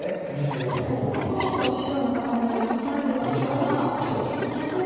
確かに９つの白の固まりが取られてたところが逆に。